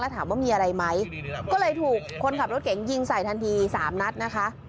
ถามว่ามีอะไรไหมก็เลยถูกคนขับรถเก๋งยิงใส่ทันที๓นัดนะคะ